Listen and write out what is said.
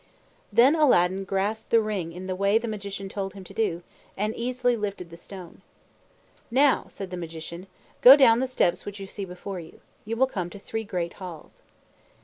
Then Aladdin grasped the ring in the way the Magician told him to do, and easily lifted the stone. "Now," said the Magician, "go down the steps which you see before you. You will come to three great halls.